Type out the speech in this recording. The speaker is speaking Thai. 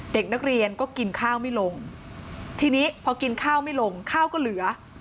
เด็กนักเรียนก็กินข้าวไม่ลงทีนี้พอกินข้าวไม่ลงข้าวก็เหลือ